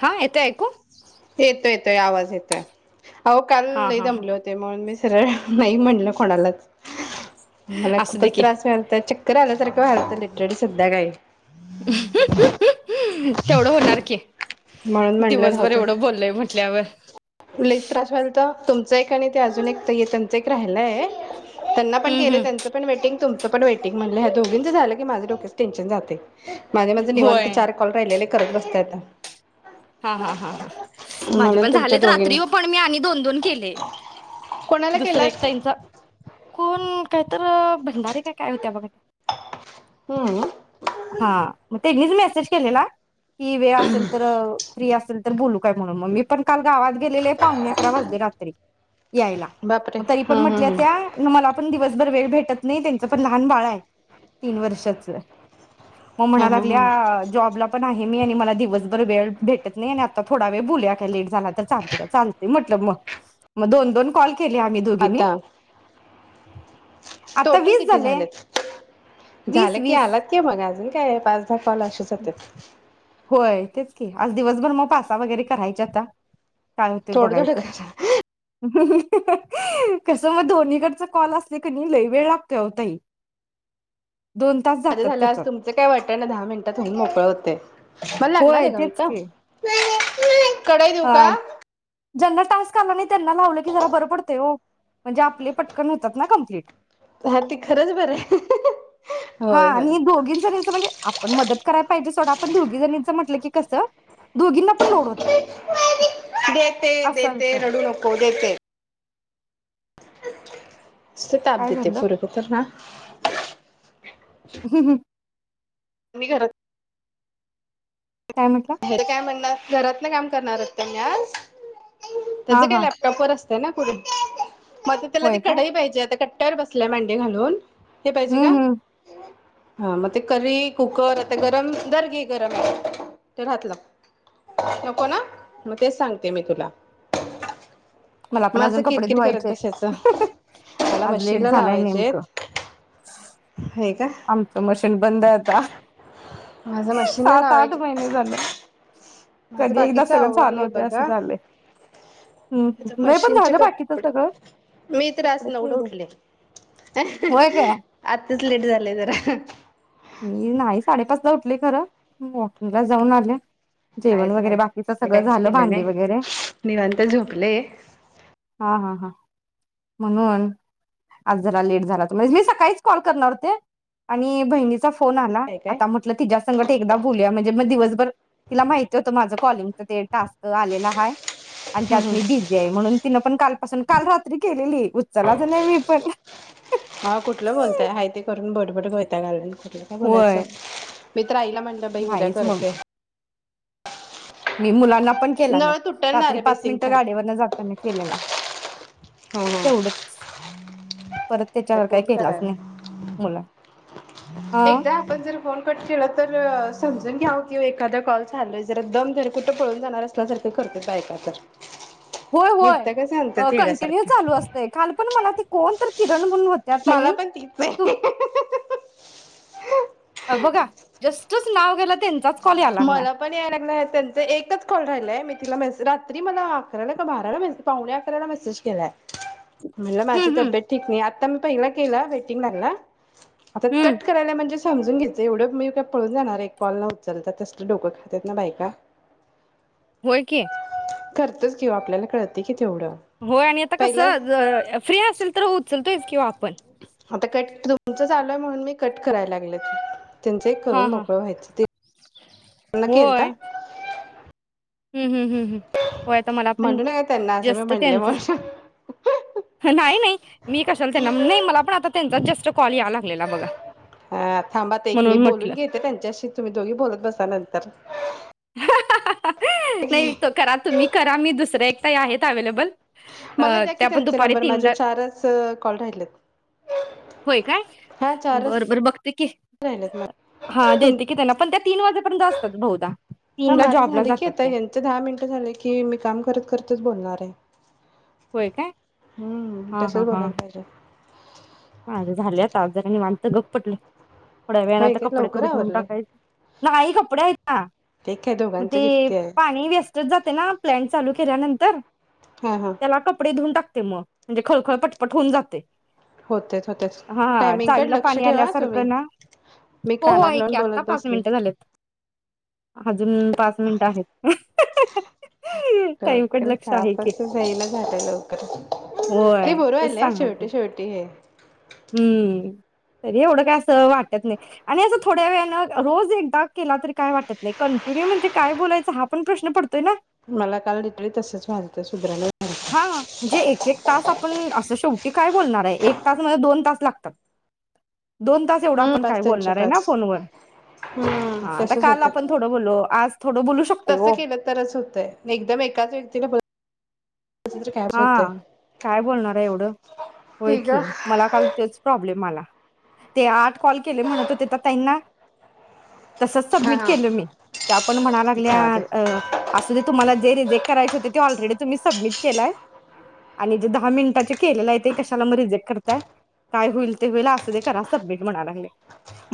हा येतंय ऐकु? ते आवाज येतोय. अहो काल लै हा हा दमले होते म्हणुन मिच सरळ नई म्हणलं कोणालाच. मला असू दे खुपच की त्रास व्हायलता चं करआल्यासारखं व्हायालतं लेक्चर संध्याकाळी [unintelligible] हंम्म! तेवढं होणार की म्हणुन म्हणलं राहुदे. उठल्यावर लैच त्रास व्हायलतं तुमचं एक आणि ते अजुन एक ताईये त्यांच एक राहील खरंय त्यांना पण हम्म केलंय हम्म त्यांच पण वेटींग तुमचं पण वेटींग म्हणलं ह्या दोघी त्याच झाल की माझ्या डोक्याच टेंशन जातंय. माझ माझे निवांत चार कॉल राहीलेले करत बसते आता हा-हा-हा-हा माझे म्हणून पण झा तुमच्या दोघींनी रात्री ओ आंम्ही दोन दोन केलेत कोणाला दुसर एक केलात? ताईंच कोण कायतर भंडारे का काय होत्या बघा हम्म हा! म ते गीज मॅसेज केलेला ही वेळ असेल तर फ्री असेल तर बोलु काय मनून, मी पण काल गावात गेलेले पावणे अकरा वाजले रात्री. यायला. बापरे मं तरी पण हम्म हम्म म्हटल्या हम्म त्या मला पण दिवस जर वेळ भेटत नइ, त्यांच पण लहान बाळ हाय तीन वर्षाचं. मग हा म्हणाय हा हा. लागल्या जॉबला पण आहे. मि आणि मला दिवसभर वेळ भेटत नाही आणि आता थोडा वेळ बोलुया काय लेट झाला तर चालतय काय? चालतंय म्हटलं मग. म दोन-दोन कॉल केले आम्ही दोघीनी आता टोटल किती झालेत? झालं वीस कि वीस आलात कि मग अजून काय पाच दहा कॉल अशेच होत्यात. व्हयं तेच की आज दिवसभर मग पाच सहा वगैरे करायच्या आता. काय होतय थोडं थोडं बघायचं. करा हहहह हहह कसं मग दोनीकडचा कॉल असले क नही लय वेळ लागतोय आहो ताई. दोन तास माझं जातात झालं त्याच्यात आज तुमचं काय वाटत ना दहा मिनिटात होऊन मोकळं होतय. मला लागणार होय हे ग तेच इथं. की नाय कडई देऊ हा का? ज्यांना टास्क आला नाही त्यांना पण लावलं की जरा बरं पडतंय हो. म्हणजे आपले पण पटकन होतात ना कमप्लीट. हा ती खरंच बरं आहे हहह! हा नी दोघी जणीचं म्हणजे आप पण मदत करायला पाहिजे सोडा पण दोघी जणीचं म्हटलं की कसं, दोघींना पण लोड होतंय देते, असा देते विषय आहे. रडू नको देते. नुसते ताप काय देतय झालं? पोरगं तर ना. हम हम. मी घरात काय म्हटला? हेेत काय म्हणणार? घरातल काम करणार होते मी आज हा त्याच काय हा लॅपटॉप वर असत [unintelligible] म तर त्याला ती होय काय? कडई पाहिजे आता काय तर बसल्या मांडी घालून हे पाहिजे का? हम्म हम्म हा मग ते करइ कुक्कर आता गरम दर घे गरम आहे. तेला हात लाव. नको ना? मग तेच सांगते मी तुला मला पण मग असं अजून कपडे किरकिर करत धुवायचे बसायचं आहेत, हहह मला आज लेट मशीनला झालाय लावायचे नेमकं. हे आमचं मशीन बंद [unintelligible] माझ मशीनला सात आठ लावायचं महिने झालं. माझ कधी एकदा बाकीच सगळं चालू आवरलंय होतंय असं बघा झालंय. हम्म हम्म. नाही पण मशीनचे झालं बाकीचं कपडे सगळं. मी तर आज कपडे नवला पिवळे उठले. होय हहह काय आताच लेट झालं [unintelligible] जरा मी नाही साडेपाचला उठले खरं! वॉकिंगला जाऊन आलेय. काहीच नाही मी काहीच केलं भांडी नाही वगैरे निवांत झोपलेय हा हा म्हणून आज जरा लेट झाला त म्हणजे मी सकाळीच कॉल करणार होते आणि बहिनीच फोन आला काय आता म्हणलं तुझ्या संगट एकदा बोलूया म्हणजे मग दिवसभर तिला माहिती होतं माझं कॉलिंग च तेन टास्क आलेला आहे आणि त्यात मी बिझीआहे. म्हणून मग तिने पण कालपासून काल रात्री केलेली उचललाच नाही मी पण. हा कुठलं बोलताय हाय [unintelligible] वैताग आलाय आता काय बदलायचं, होय मी तर आईला म्हणलं बाई उद्या नाहीच मग करते. मी मुलांना मी पण केला नाही. नळ तुटल ना रात्री रे पाच मिनिट बेसिंगचा गाडीवरून जाताना केलेला. हो हो तेवढच आता फोन करायला, मुला अ एकदा आपण जर फोन कट केला तर समजून घ्यावं की, एखादा कॉल चालू आहे जरा दम धर कुठे पळून जाणार असल्या सारखे करत्यात बायका तर, होय होय वैताग च आणतात कंटिन्यू येड्यासारखं चालू असतंय काल पण मला ती कोण तर किरण [unintelligible] मला ताई पण तीच आहे हे बघा जस्टच नाव घ्यायला. त्यांचाच कॉल यायला लागलाय मला पण यायला लागलाय त्यांचं एकच एक कॉल राहिलाय मी तिला मेसेज रात्री मला अकराला का बाराला, पावणे अकराला मेसेज केलाय. म्हणलं माझी हम्म हम्म तब्येत ठीक नाही आ आता मी पहिलं केला, वेटिंग लागला. आता हम्म कट कराल्या म्हणजेच समजून घ्यायचं मी काय पळून जाणार आहे कॉल लावून. खरं तर कसलं डोकं खात्यात ना बायका. व्हय की करतोच की हो आपल्याला कळतंय की, तेवढं होय आणि आता पहिलं कसं फ्री असेल तर होतं. चलतोयच कि, ओ आपण. आता कट तुमचं चालू आहे, म्हणून मी कट करायला लागले. त्यांचे हा करून हा मोकळं व्हायचं, त्यांना होय खेलता. [unintelligible] होय आता मला पण म्हणू नका त्यांना असं मी जस्ट म्हणले त्यांचा म्हणून नाही नाही मी कशाला त्यांना मला पण आता त्यांचाच जस्ट [unintelligible] कॉल यायला लागलेला बघा. थांबा आता एक मी म्हणून म्हटलं. बोलून घेते, त्यांच्याशी तुम्ही दोघी बोलत बसा नंतर नाही तो करा तुम्ही करा तो मी दुसरा एक ताई आहेत अवेहेलेबल मला द्या की त्यांचे नंबर माझे चारच कॉल राहिलेत हा चारच के राहिलेत मग हा दे तुम की त्यांना पण त्या तीन वाजेपर्यंत असतात बहुदा. हा माझं झाल की आता ह्यांचं दहा मिनटं झाले की मी काम करत करतच बोलणारं. णारेय होय काय हम्म तसंच बोलायला पाहिजे. माझे झाले आता आज जरा निवांत गप पडलोय. थोड्या वेळान होय आता काय कपडे लवकर तेवढी धुवून आवरलंय. टाकायची नाही कपडे आहेत ना ते काय मग दोघांचं ते किती आहे पाणी वेस्टज जातयं ना प्लॅन्ट चालू केल्यानंतर हा हा त्याला कपडे धुऊून टाकत ते मग म्हणजे खळखळ पटपट होऊन जातय. होतेच होतेच. हा टायमिंगकडे चावीला लक्ष पाणी ठेवा तुम्ही आल्यासारखं ना मी हो हो कानाला आहे लावून की आत्ता बोलत पाच बसले. मिनिटं झालेत. अजून पाच मिनिट आहेत अ हां हां ह. डोक्याला तापच जाईना झालय लवकर नाइ होय बर तेच व्हायलय सांगालोय शेवटी शेवटी हे हम्म तरी एवढ काय असं वाटतं नाही आणि असं थोड्या वेळने रोज एकदा केला तरी काय वाटत नाही कंटिन्यू म्हणजे काय बोलायचा हा प्रश्न पडतोय ना. मला काल [unintelligible] तसंच व्हालत सुधरणा झालत. हा म्हणजे एक एक तास आपण असं शेवटी काय बोलणारयं एक तास म्हणत दोन तास लागतात. दोन तास एवढं हम्म आपण काय पाच त्यांचे बोलणारयं ना पाच. फोनवर हम्म हा तसच काल आता आपण होतंय. थोडं बोललो आज थोडं बोलू शकतोय तसं ओ. केलं तरच होतंय एकदम एकाच व्यक्तीला बोलत बसलं तर काय हा होतंय. काय बोलणारयं एवढं होय ठीक ग की, मला काल तेच प्रॉब्लेम आला. ते आठ कॉल केले म्हणत होते त्या ताईंना तसच हा सबमिट हा केलं मी त्या पण म्हणा लागल्या जाऊ दे असू दे तुम्हाला जे रिजेक्ट करायचे हो ते ऑलरेडी तुम्ही सबमिट केलाय आणि जे दहा मिनिटाचे केलेलं आहे ते कशाला मग रिजेक्ट करताय काय होईल ते होईल असुदे करा सबमिट म्हणाय लागलिया.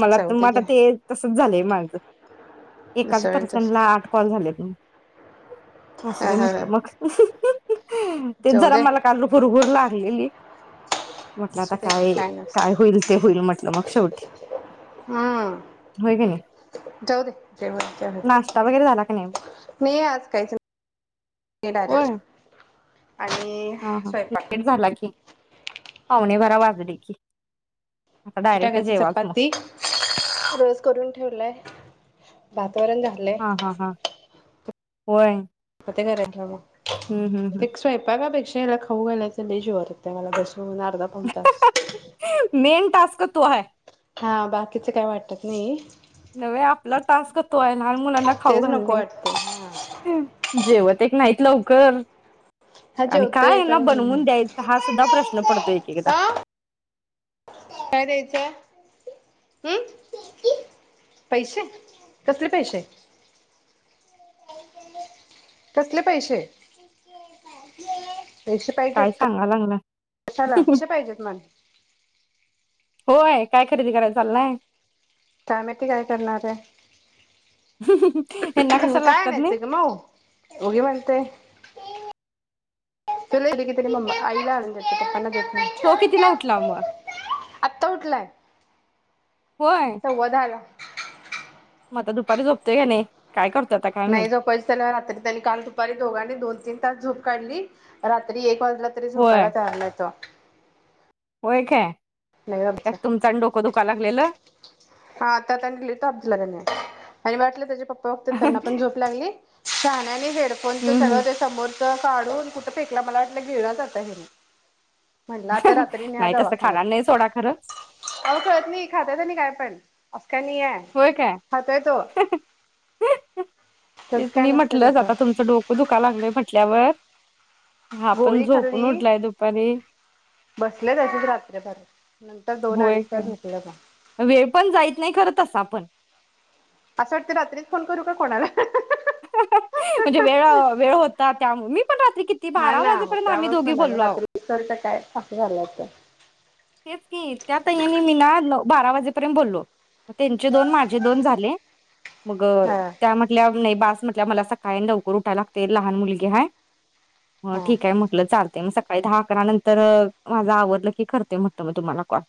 मला त म जाऊदे आता घे ते तसच झालंय मा [unintelligible] एकाच दुसऱ्यांच्या पर्सनला आठ कॉल झालेत हं हा असूदे हा हा म्हटलं मग तेच जाऊ जरा दे मला काल हुरहूर ला [unintelligible] म्हटलं आता असू दे काय काय नसते होईल ते होईल म्हट न मग शेवटी हा होय की नाही जाऊ दे जे व्हईल ते व्हईल नाश्ता वगैरे झाला का नाही? नाही आज काहीच होय डायरेक्ट. आणि हा हा स्वयंपाक लेट झाला की... पावणे बारा वाजु दे की. आता डायरेक्ट चिटाक्याची जेवाच मग चपाती रोज करून ठेवलाय. भात वरण झालय. व्हय. ते घरात ठेव मग..... ते हम्म स्वयपाका पेक्षा... त्याला खाऊ घालायच लई जीवावर येतय मला बस. अजुन अर्धा पवुन्तास. मेन टास्क तो हाय हा बाकीच काय वाटत नाही.... नवे आपला तास क तो आहे लहान मुलांना खाऊ तेच नको घालणे वाटतंय हा जेवत एक नाहीत ल... कर. हा आणि काय जेवतोय यांना पण बनवून द्यायचा हा सुद्धा प्रश्न पडतो ए की एकदा... आ काय द्यायचय हम् पैशे कसले पैशे? कसले पैशे? पशे पाहिजे काय का सांगा लागलाय कशाला कशे पाहिजेत मला. होय काय खरेदी करायला चाललाय? कायमैती काय करणार आहे. यांना कशाला काय लागतात नाही आणयचय ग माऊ उगी म्हणते... [unintelligible] मम्मा आईला आणून देते पप्पा देत तो कीतिला उठला नाही म? आत्ता उठलाय सव्वा दहाला म आता दुपारी झोपत का नाही? काय करतो आता काय नाही माहित झोपायच त्याला रात्री त्यांनी काल दुपारी दोघांनी दोन तीन तास झोप काढली रात्री एक वाज... रात्री झोपायला होय तयार नयतो. होय काय नाही त्यात बाबा तुमचा डोकं दुखाकाला.... [unintelligible] हा आता त्यांनी लय ताप दिला का नाही आणि वाटल त्याचे पप्पा.... तोवर त्यांना हम्म पण झोप लागली... [unintelligible] फोनच सगळ ते हम्म समोर काढून कुठं फेकला मला वाटलं गिळलाच आता हेनी म्हणलं आता रात्री न्या नाही तसं खाणार नाही सोडा खरं दवाखान्यात अव कळत नाही खातात आणि काय पण. असं काय नाही आहे होय काय खातोय तो तेच तसं काय मी नसतंय म्हटलंच तसं आता तुमचं डोकं दुकाय लागलयं म्हटल्यावर. हा पण गोळी झोपून खाल्ली उठलाय दुपारी. बसले तशीच रात्रीभर नंतर दोन होय अडीच काय तास झोपले बा वेळ पण जायत नाही खरा तसा पण असं वाटतयं रात्रीच फोन करू का कोणाला. म्हणजे वेळ वेळ होतात त्या मम्मी. हा ना त्यामुळे म्हणाले बोललो आहो रात्री विसरत काय असं झाल असलं तेच की त्यातही या मी ना भा बारा वाजेपर्यंत बोललो मग त्यांचे दोन माझे दोन झाले. मग हा त्या हा म्हटल्या नाही बास म्हटल्या मला सकाळी लवकर उठायला लागते लहान मुलगी हाय मग ठीकय म्हटलं चालते मग सकाळी दहा अकरा नंतर माझ आवरलं की करते म्हटलं तर मग तुम्हाला कॉल.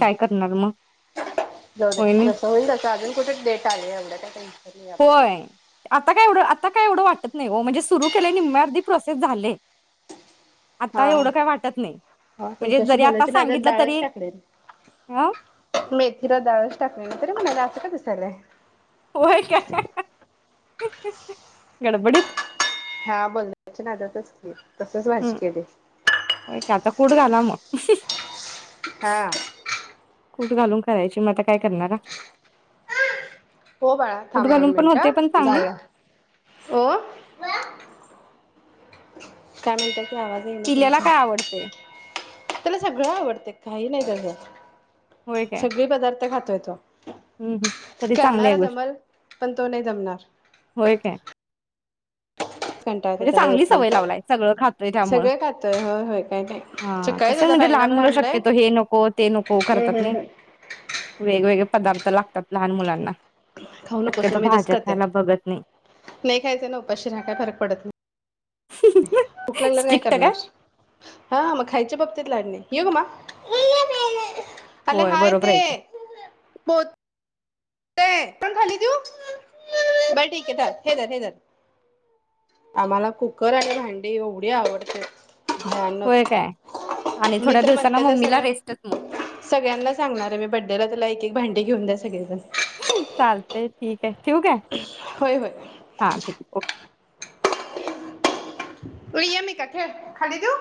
काय करणार मग? जाऊदे वहिनी जसं होईल तसं अजून कुठे डेट आले एवढं काय टेन्शन नाही आपल्याला. होय. आता काय एवढं आता काय एवढं वाटत नाही हो म्हणजे सुरू केले निम्मी अर्धी प्रोसेस झाले. आता हा एवढं काय वाटत नाही. हा म्हणजे तुमच्याशी जरी आता बोलायची नादात सांगितलं डाळच तरी टाकले अ मेथीला डाळच टाकलेल तरी म्हणाय असं का दिसायलय होय काय गडबडीत हा बोलण्याच्या नादात असते. हम् होयं की आता कुट घाला [unintelligible] हा कुट घालून करायची मग आता काय करणार हो बाळा थांब दोन मिनटं चांगली जाऊया ओ कायं म्हणतायं आवाज, येईना पिल्याला तुमचा काय आवडते. त्याला सगळं आवडतय. काही नाही सध्या होय काय सगळे पदार्थ खाता देतो हम्म हम्म तरी चांगली आहे करणारा गोष्ट दमल पण तो नाही दमणार होय काय म्हणजे चांगली नाही सवय लावलाय. सगळं खातोय त्यामुळं सगळे खातोय होय होय काय नाही हा सकाळीच कसं आता म्हणजे लहान पायनॅपल मुलं आणलंय शक्यतो हे नको ते नको करतात हम्म नाही हम्म हम्म. वेगवेगळे पदार्थ लागतात लहान मुलांना खाऊ नकोस शक्यतो ना मी तसंच भाज्या करते. खायला बघत नाही नाही खायचं ना उपाशी राहा काय फरक पडत नाही. [unintelligible] भूक लागल्यावर काय करणार हा मग खायचे बघतात. लाड नाही ये ग मा आले होय हाय बरोबर ते आहे की पोच ये पण खाली देऊ बर ठीक आहे. हे धर, हे धर आम्हाला कुकर आणि भांडे एवढी आवडत्यात. होय काय आणि [unintelligible] मी थोड्या तर्र दिवसांना म्हणते त्या मम्मीला सगळ्या रेस्टच मग सगळ्यांना सांगणार आहे मी बड्डेला त्याला एक एक भांडे ठेवून द्या सगळेजण चालतय ठीक आहे. ठेऊ काय होय होय हा ठीक आहे ओके तू यम एका खेळ खाली ठीऊ